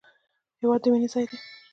هېواد د مینې ځای دی